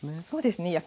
そうですね